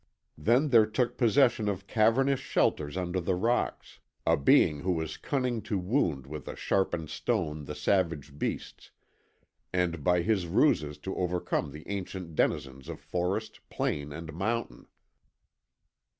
Then there took possession of cavernous shelters under the rocks, a being who was cunning to wound with a sharpened stone the savage beasts, and by his ruses to overcome the ancient denizens of forest, plain, and mountain.